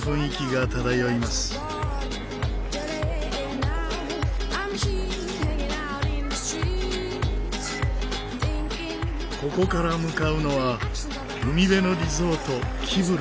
ここから向かうのは海辺のリゾートキブロン。